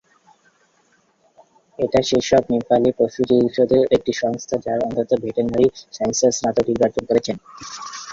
এটা সেসব নেপালী পশু চিকিৎসকদের একটি সংস্থা যারা অন্তত, ভেটেরিনারি সায়েন্সে স্নাতক ডিগ্রী অর্জন করেছেন।